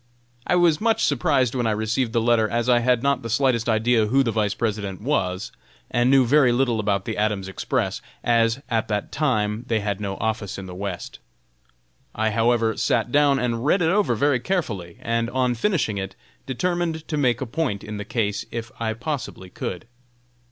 I was much surprised when I received the letter, as I had not the slightest idea who the Vice President was, and knew very little about the Adams Express, as, at that time, they had no office in the West. I, however, sat down and read it over very carefully, and, on finishing it, determined to make a point in the case if I possibly could.